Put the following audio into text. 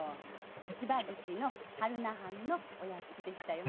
芝口の榛名藩のお屋敷でしたよね。